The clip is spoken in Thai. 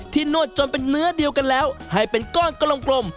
นวดจนเป็นเนื้อเดียวกันแล้วให้เป็นก้อนกลม